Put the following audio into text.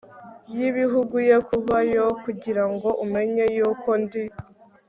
y ibibugu ye kubayo kugira ngo umenye yuko ndi